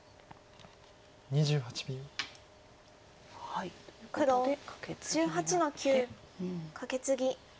２８秒。ということでカケツギになって。